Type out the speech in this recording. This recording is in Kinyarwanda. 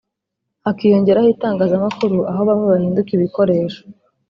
hakiyongeraho itangazamakuru aho bamwe bahinduka ibikoresho